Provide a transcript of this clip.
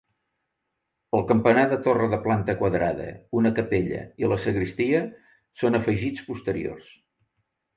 El campanar de torre de planta quadrada, una capella i la sagristia són afegits posteriors.